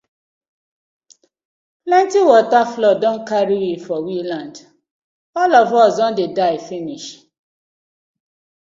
Plenti wata flood don karry we for we land, all of us don dey die finish.